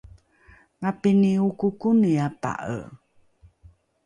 mapini okokoni apa’e?